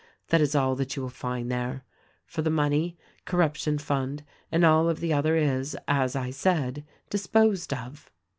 That is all that you will find there ; for the money, corruption fund and all of the other, is, as I said, disposed of.